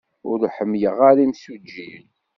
Ur ḥemmleɣ ara imsujjiyen.